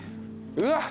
うわっ。